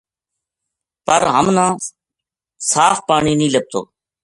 پر ہمنا صاف پانی نیہہ لبھتو